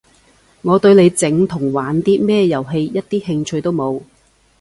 我對你整同玩啲咩遊戲一啲興趣都冇